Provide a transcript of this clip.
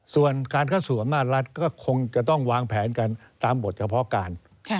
ส่วนการเข้าสู่อำนาจรัฐก็คงจะต้องวางแผนกันตามบทเฉพาะการ